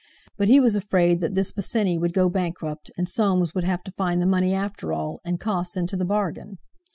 But he was afraid that this Bosinney would go bankrupt and Soames would have to find the money after all, and costs into the bargain.